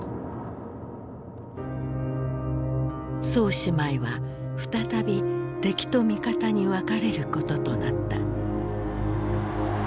宋姉妹は再び敵と味方に分かれることとなった。